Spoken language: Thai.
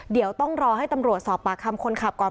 เดี๋ยวต้องรอให้ตำรวจสอบปากคำคนขับก่อน